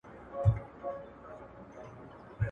د سیاستپوهنې اصول به زده کړئ.